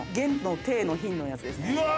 うわ！